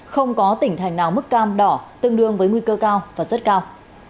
không có tỉnh thành nào mức cam đỏ tương đương với nguy cơ cao và rất cao